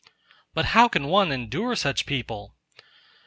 "But how can one endure such people?"